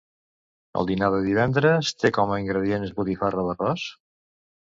El dinar de divendres té com a ingredient botifarra d'arròs?